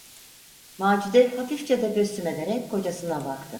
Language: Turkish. Macide hafifçe tebessüm ederek kocasına baktı.